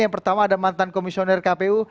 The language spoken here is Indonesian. yang pertama ada mantan komisioner kpu